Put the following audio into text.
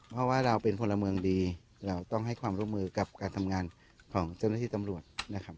เพราะว่าเราเป็นพลเมืองดีเราต้องให้ความร่วมมือกับการทำงานของเจ้าหน้าที่ตำรวจนะครับ